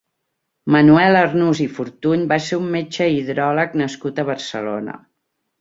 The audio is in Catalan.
Manuel Arnús i Fortuny va ser un metge i hidròleg nascut a Barcelona.